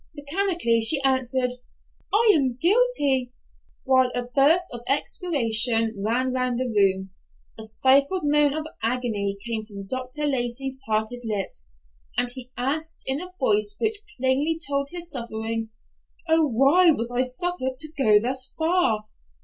Mechanically, she answered, "I am guilty," while a burst of execration ran round the room. A stifled moan of agony came from Dr. Lacey's parted lips, and he asked in a voice which plainly told his suffering, "Oh, why was I suffered to go thus far?